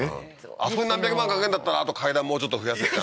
あそこに何百万かけんだったらあと階段もうちょっと増やせた